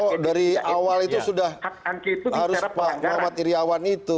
oh dari awal itu sudah harus pak muhammad iryawan itu